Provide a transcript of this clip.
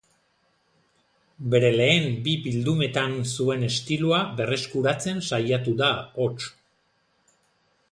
Bere lehen bi bildumetan zuen estiloa berreskuratzen saiatu da, hots.